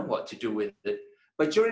saya tidak tahu apa yang harus saya lakukan